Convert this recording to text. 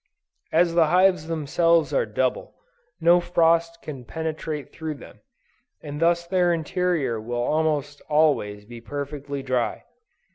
As the hives themselves are double, no frost can penetrate through them, and thus their interior will almost always be perfectly dry.